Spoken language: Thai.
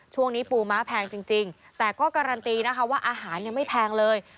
ช่วงนี้ปูม้าแพงจริงแต่ก็การันตีนะคะว่าอาหารยังไม่แพงเลย